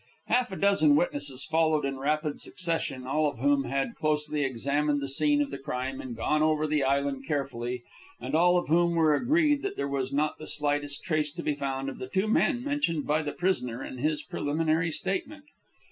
Half a dozen witnesses followed in rapid succession, all of whom had closely examined the scene of the crime and gone over the island carefully, and all of whom were agreed that there was not the slightest trace to be found of the two men mentioned by the prisoner in his preliminary statement.